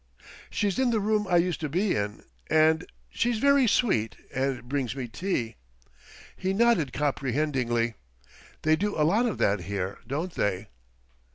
"She's in the room I used to be in, and she's very sweet and brings me tea." He nodded comprehendingly. "They do a lot of that here, don't they?"